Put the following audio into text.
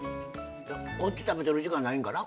こっち食べてる時間ないんかな。